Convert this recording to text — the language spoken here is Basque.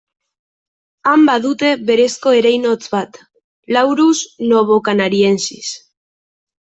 Han badute berezko ereinotz bat, Laurus novocanariensis.